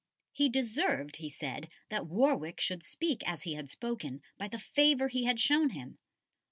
He deserved, he said, that Warwick should speak as he had spoken, by the favour he had shown him.